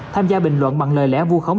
tham gia bình luận bằng lời lẽ vù khống